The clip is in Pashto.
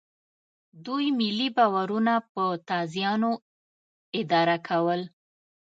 دوی ملي باورونه په تازیانو اداره کول.